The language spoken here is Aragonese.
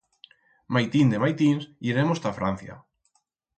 Maitín de maitins iremos ta Francia.